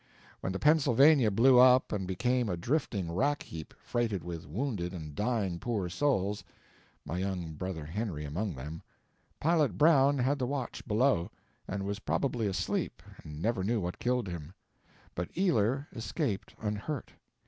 When the Pennsylvania blew up and became a drifting rack heap freighted with wounded and dying poor souls (my young brother Henry among them), pilot Brown had the watch below, and was probably asleep and never knew what killed him; but Ealer escaped unhurt.